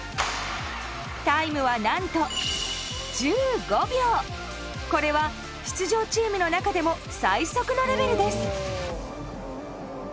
タイムは何とこれは出場チームの中でも最速のレベルです。